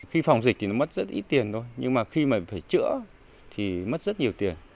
khi phòng dịch thì nó mất rất ít tiền thôi nhưng mà khi mà phải chữa thì mất rất nhiều tiền